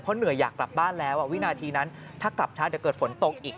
เหนื่อยอยากกลับบ้านแล้ววินาทีนั้นถ้ากลับช้าเดี๋ยวเกิดฝนตกอีก